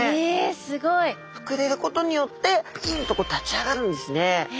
膨れることによってピンと立ち上がるんですね。